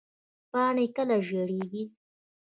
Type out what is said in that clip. پاڼې کله ژیړیږي؟